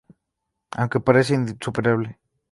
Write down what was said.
Aunque parece insuperable